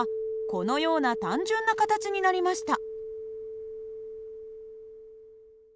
このように複雑な形になりました。